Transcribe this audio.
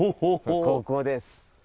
ここです。